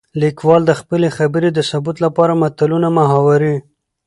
ليکوال د خپلې خبرې د ثبوت لپاره متلونه ،محاورې